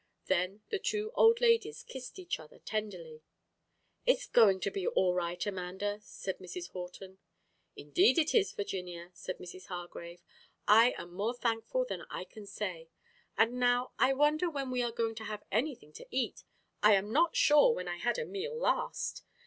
Then the two old ladies kissed each other tenderly. "It is going to be all right, Amanda," said Mrs. Horton. "Indeed it is, Virginia," said Mrs. Hargrave. "I am more thankful than I can say. And now I wonder when we are going to have anything to eat. I am not sure when I had a meal last.